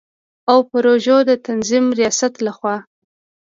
او پروژو د تنظیم ریاست له خوا